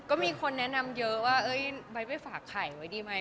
ก็มีคนแนะนำเยอะขอฝากแข่ไว้ดีไหม